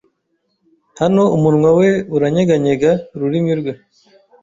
Hano umunwa we uranyeganyega ururimi rwe